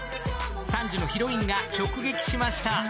３時のヒロインが直撃しました。